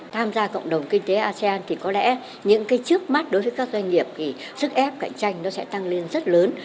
tham gia cộng đồng kinh tế asean thì có lẽ những cái trước mắt đối với các doanh nghiệp thì sức ép cạnh tranh nó sẽ tăng lên rất lớn